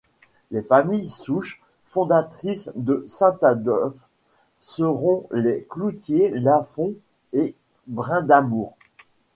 Les familles souches fondatrices de St-Adolphe seront les Cloutier, Lafond et Brindamour.